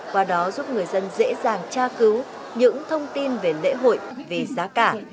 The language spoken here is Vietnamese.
qua đó giúp người dân dễ dàng tra cứu những thông tin về lễ hội về giá cả